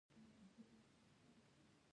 زموږ سره د ملاقات خوښي وکړه.